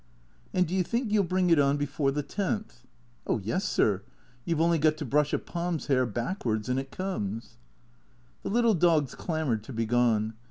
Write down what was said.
" And do you think you '11 bring it on before the tenth ?"" Oh yes, sir. You 've only got to brush a Pom's hair back wards and it comes." The little dogs clamoured to be gone.